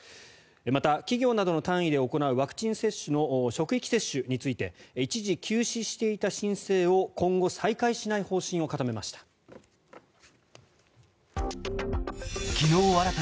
また、企業などの単位で行うワクチン接種の職域接種について一時休止していた申請を今後、再開しない方針を固めました。